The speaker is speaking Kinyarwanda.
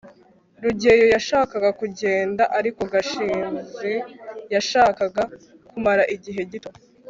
rugeyo yashakaga kugenda, ariko gashinzi yashakaga kumara igihe gito